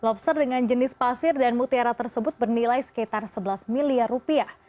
lobster dengan jenis pasir dan mutiara tersebut bernilai sekitar sebelas miliar rupiah